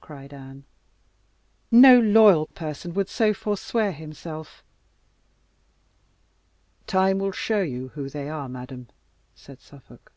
cried Anne. "No loyal person would so forswear himself." "Time will show you who they are, madam," said Suffolk.